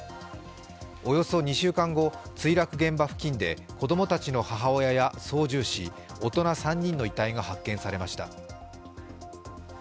およそ２週間後、墜落現場付近で子供たちの母親や操縦士、大人３人の遺体が発見されました。